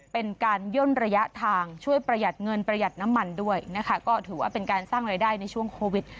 เป็นการย่นระยะทางช่วยประหยัดเงินประหยัดน้ำมันด้วยนะคะก็ถือว่าเป็นการสร้างรายได้ในช่วงโควิด